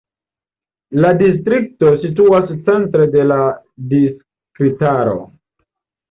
La distrikto situas centre de la distriktaro.